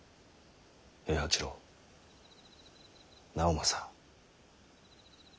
平八郎直政。